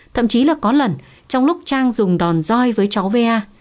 thậm chí là có lần trong lúc trang dùng đòn roi với cháu va